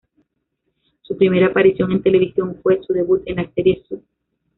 Su primera aparición en televisión fue su debut en la serie "Zoo".